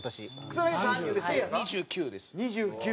２９です。